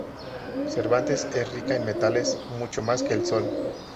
Cervantes es rica en metales, mucho más que el Sol.